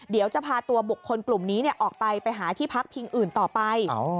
เดี๋ยวจะพาตัวบุคคลกลุ่มนี้ออกไปไปหาที่พักพิงอื่นต่อไป